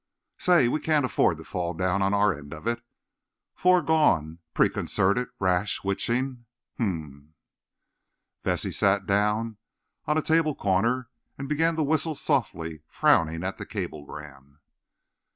Say—we can't afford to fall down on our end of it. 'Foregone, preconcerted rash, witching'—h'm." Vesey sat down on a table corner and began to whistle softly, frowning at the cablegram.